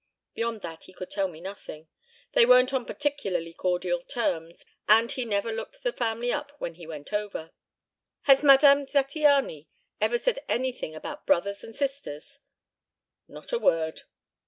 Beyond that he could tell me nothing. They weren't on particularly cordial terms and he never looked the family up when he went over. Has Madame Zattiany ever said anything about brothers and sisters?" "Not a word."